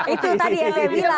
itu tadi yang saya bilang